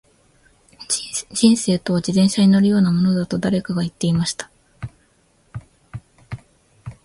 •人生とは、自転車に乗るようなものだと誰かが言っていました。